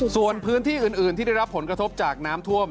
ส่วนพื้นที่อื่นที่ได้รับผลกระทบจากน้ำท่วม